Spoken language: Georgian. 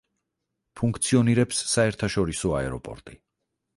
ფუნქციონირებს საერთაშორისო აეროპორტი.